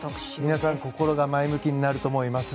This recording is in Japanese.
皆さん心が前向きになると思います。